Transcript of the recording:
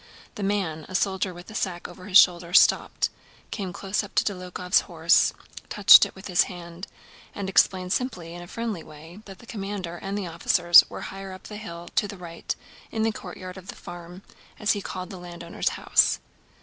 The man, a soldier with a sack over his shoulder, stopped, came close up to Dólokhov's horse, touched it with his hand, and explained simply and in a friendly way that the commander and the officers were higher up the hill to the right in the courtyard of the farm, as he called the landowner's house.